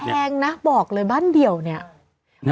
แพงนะบอกเลยบ้านเดี่ยวเนี่ย